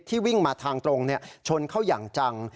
วิ่งมาทางตรงชนเข้าอย่างจัง